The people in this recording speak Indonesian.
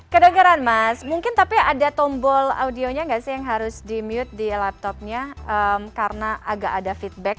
kedengaran mas mungkin tapi ada tombol audionya nggak sih yang harus di mute di laptopnya karena agak ada feedback